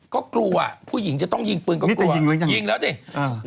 ก็กลัวผู้หญิงจะต้องยิงปืนก็กลัว